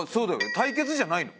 対決じゃないの？